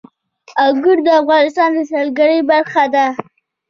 انګور د افغانستان د سیلګرۍ برخه ده.